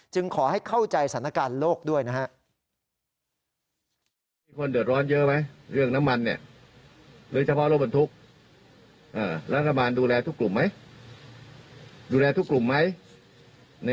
ขอให้เข้าใจสถานการณ์โลกด้วยนะฮะ